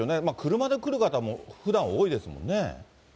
車で来る方も、ふだんは多いですもんね。